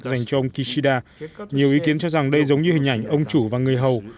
dành cho ông kishida nhiều ý kiến cho rằng đây giống như hình ảnh ông chủ và người hầu